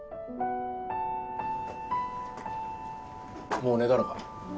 もう寝たのか？